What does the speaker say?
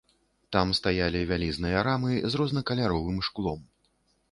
Там стаялі вялізныя рамы з рознакаляровым шклом.